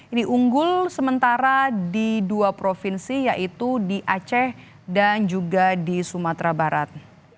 ini unggul sementara di dua provinsi yaitu di aceh dan juga di sumatera barat